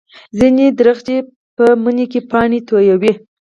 ځینې ونې په مني کې پاڼې تویوي